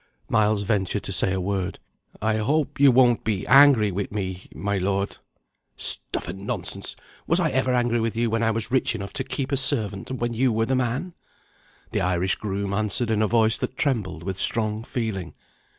Miles ventured to say a word: "I hope you won't be angry with me, my lord" "Stuff and nonsense! Was I ever angry with you, when I was rich enough to keep a servant, and when you were the man?" The Irish groom answered in a voice that trembled with strong feeling.